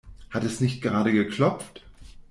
Hat es nicht gerade geklopft?